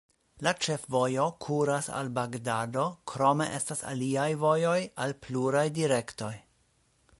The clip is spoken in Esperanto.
La ĉefvojo kuras al Bagdado, krome estas aliaj vojoj al pluraj direktoj.